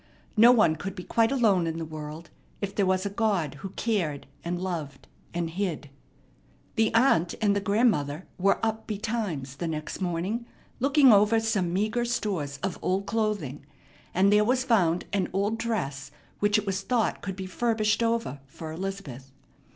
No one could be quite alone in the world if there was a God who cared and loved and hid. The aunt and the grandmother were up betimes the next morning, looking over some meagre stores of old clothing, and there was found an old dress which it was thought could be furbished over for Elizabeth.